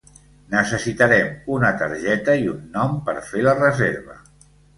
Necessitarem una targeta i un nom per fer la reserva.